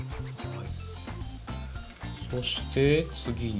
そして次に。